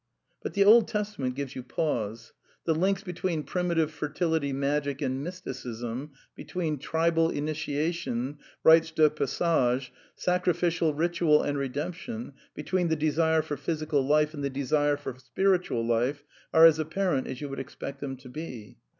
But the Old Testament gives you pause. The links be tween primitive fertility magic and mysticism, between tribal initiations, rites de passage, sacrificial ritual and redemption, between the desire for physical life and the desire for spiritual life, are as apparent as you would ex pect them to be.